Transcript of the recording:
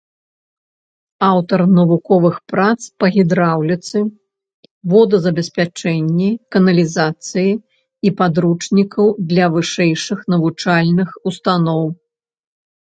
Аўтар навуковых прац па гідраўліцы, водазабеспячэнні, каналізацыі і падручнікаў для вышэйшых навучальных устаноў.